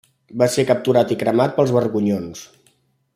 Va ser capturat i cremat pels borgonyons.